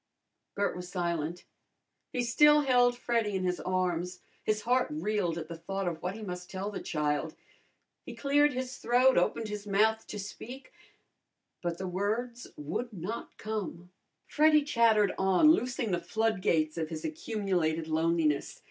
Bert was silent. He still held Freddy in his arms. His heart reeled at the thought of what he must tell the child. He cleared his throat, opened his mouth to speak, but the words would not come. Freddy chattered on, loosing the flood gates of his accumulated loneliness.